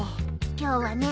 今日はね